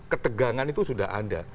ketegangan itu sudah ada